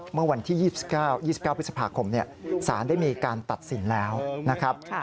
เมื่อวันที่๒๙๒๙พฤษภาคมสารได้มีการตัดสินแล้วนะครับ